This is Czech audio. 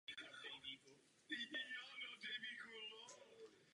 Spoluzaložil spolek Literární jednota.